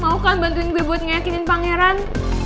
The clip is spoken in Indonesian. mau kan bantuin gue buat ngeyakinin pangeran